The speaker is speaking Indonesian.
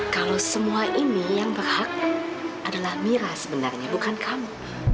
kalau semua ini yang berhak adalah mira sebenarnya bukan kamu